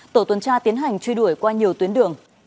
tổ tuần tra tiến hành truy đuổi qua nhiều tuyến đường